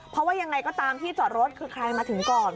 เพราะว่ายังไงก็ตามที่จอดรถคือใครมาถึงก่อน